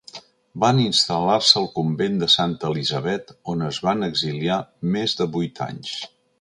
Van instal·lar-se al convent de Santa Elisabet, on es van exiliar més de vuit anys.